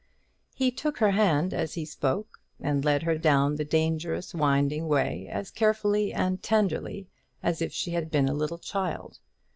He took her hand as he spoke, and led her down the dangerous winding way as carefully and tenderly as if she had been a little child.